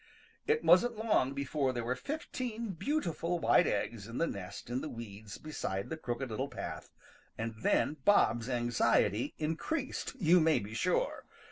It wasn't long before there were fifteen beautiful white eggs in the nest in the weeds beside the Crooked Little Path, and then Bob's anxiety increased, you may be sure.